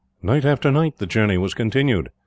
Night after night the journey was continued.